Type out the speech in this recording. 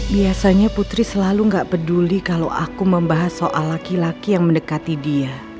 biasanya putri selalu gak peduli kalau aku membahas soal laki laki yang mendekati dia